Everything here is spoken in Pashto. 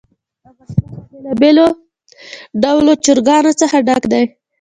افغانستان له بېلابېلو ډولو چرګانو څخه ډک دی.